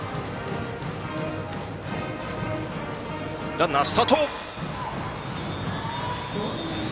ランナー、スタート！